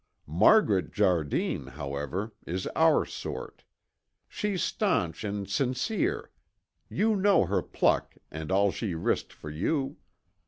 Margaret Jardine, however, is our sort. She's stanch and sincere; you know her pluck and all she risked for you.